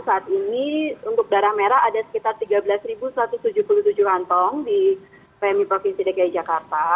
saat ini untuk darah merah ada sekitar tiga belas satu ratus tujuh puluh tujuh kantong di pmi provinsi dki jakarta